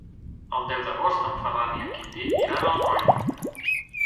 El deu d'agost en Ferran i en Quintí iran a Alcoi.